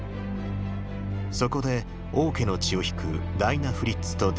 そこで王家の血を引くダイナ・フリッツと出会い結婚。